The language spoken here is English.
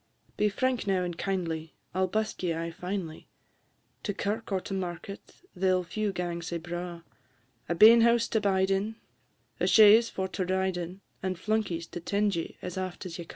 Be frank now and kindly; I 'll busk ye aye finely; To kirk or to market they 'll few gang sae braw; A bein house to bide in, a chaise for to ride in, And flunkies to 'tend ye as aft as ye ca'."